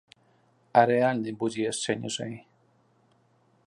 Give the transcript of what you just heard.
А рэальны будзе яшчэ ніжэй.